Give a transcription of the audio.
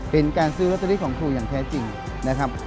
เป็นการซื้อลอตเตอรี่ของครูอย่างแท้จริงนะครับ